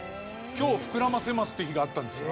今日膨らませますって日があったんです。